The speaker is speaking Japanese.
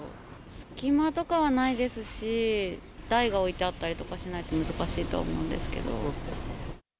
隙間とかはないですし、台が置いてあったりとかしないと難しいと思うんですけど。